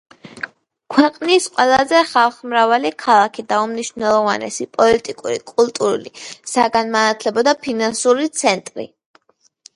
ქვეყნის ყველაზე ხალხმრავალი ქალაქი და უმნიშვნელოვანესი პოლიტიკური, კულტურული, საგანმანათლებლო და ფინანსური ცენტრი.